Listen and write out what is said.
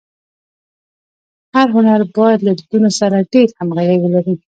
هر هنر باید له دودونو سره ډېره همږغي ولري.